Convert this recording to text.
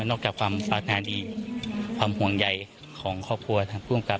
จากความปรารถนาดีความห่วงใยของครอบครัวทางภูมิกับ